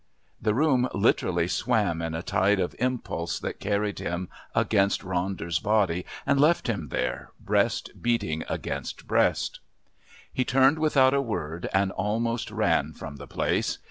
The room literally swam in a tide of impulse that carried him against Ronder's body and left him there, breast beating against breast.... He turned without a word and almost ran from the place.